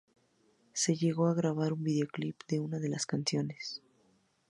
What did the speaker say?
Se llegó a grabar un videoclip de una de las canciones.